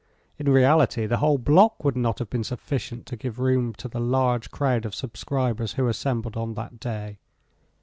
In reality the whole block would not have been sufficient to give room to the large crowd of subscribers who assembled on that day.